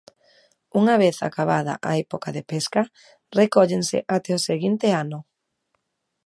Unha vez acabada a época de pesca, recóllense até o seguinte ano.